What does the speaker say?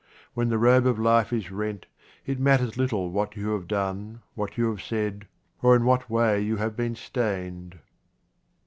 When the robe of life is rent, it matters little what you have done, what you have said, or in what way you have been stained.